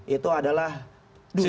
itu adalah dusta